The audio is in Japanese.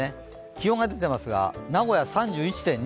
気温が出てますが、名古屋、３１．２度。